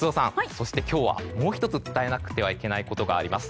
そして今日はもう１つ伝えなくてはいけないことがあります。